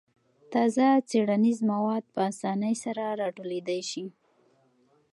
تازه څېړنیز مواد په اسانۍ سره راټولېدای شي.